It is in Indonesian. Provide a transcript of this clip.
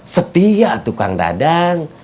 setia tukang dadang